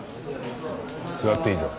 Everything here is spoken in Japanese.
座っていいぞ。